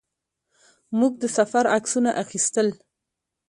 موږ د سفر عکسونه اخیستل.